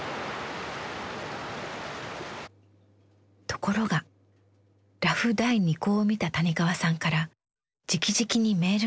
ところがラフ第２稿を見た谷川さんからじきじきにメールが届きました。